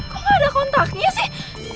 kok gak ada kontaknya sih